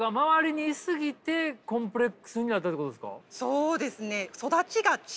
そうですね。